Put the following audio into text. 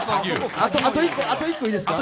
あと１個いいですか？